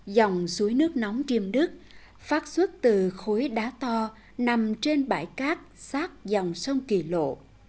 dòng suối nước nóng chiêm đức phát xuất từ khối đá to nằm trên bãi cát sát dòng sông kỳ lộ